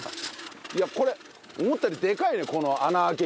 いやこれ思ったよりでかいねこの穴開け器。